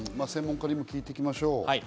専門家にも聞いていきましょう。